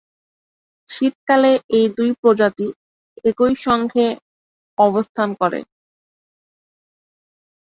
শীতকালে এই দুই প্রজাতি একই সংগে অবস্থান করে।